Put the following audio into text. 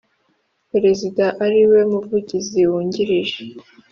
Perezida Ari We Muvugizi Wungirije